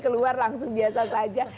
keluar langsung biasa saja